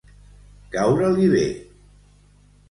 Caure-li bé.